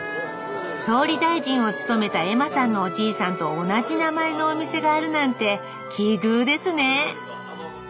総理大臣を務めたエマさんのおじいさんと同じ名前のお店があるなんて奇遇ですね。